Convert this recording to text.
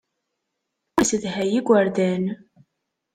Ur yessedhay igerdan.